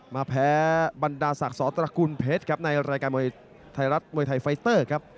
มาแพ้บรรดาศักดิ์สตระกูลเพชรครับในรายการมวยไทยรัฐมวยไทยไฟเตอร์ครับ